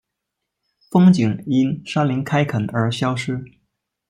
风景因山林开垦而消失